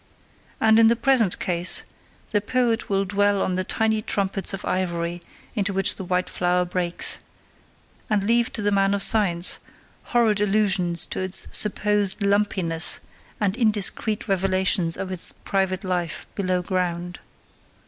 And in the present case the poet will dwell on the tiny trumpets of ivory into which the white flower breaks, and leave to the man of science horrid allusions to its supposed lumpiness and indiscreet revelations of its private life below ground.